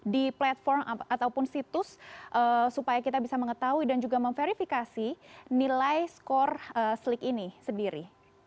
di platform ataupun situs supaya kita bisa mengetahui dan juga memverifikasi nilai skor sleek ini sendiri